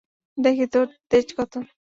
দেখি তোর তেজ কতো।